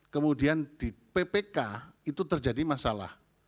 kemudian di ppk itu terjadi masalah